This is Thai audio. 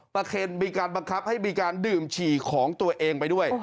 มีการบังคับให้มีการดื่มฉี่ของตัวเองไปด้วย